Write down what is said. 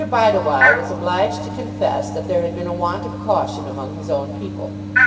Bideawhile was obliged to confess that there had been a want of caution among his own people.